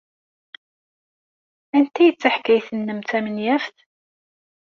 Anta ay d taḥkayt-nnek tamenyaft?